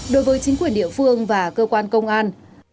đối với chính quyền địa phương và cơ quan công an